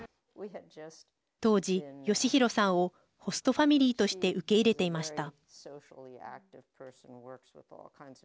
当時、剛丈さんをホストファミリーとして受け入れていました。